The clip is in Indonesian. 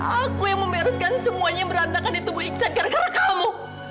aku yang membereskan semuanya berantakan di tubuh iksan gara gara kamu